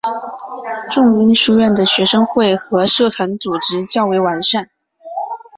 仲英书院的学生会和社团组织较为完善。